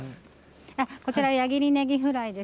こちら、矢切ねぎフライです。